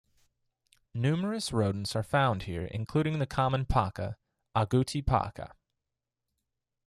Numerous rodents are found here including the common paca, "Agouti paca".